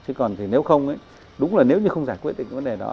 chứ còn thì nếu không đúng là nếu như không giải quyết được vấn đề đó